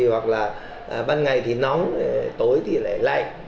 hoặc là ban ngày thì nóng tối thì lại lạnh